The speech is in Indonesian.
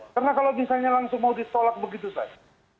karena kalau misalnya langsung mau ditolak begitu saja